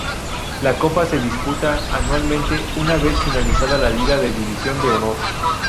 La Copa se disputa anualmente, una vez finalizada la liga de División de Honor.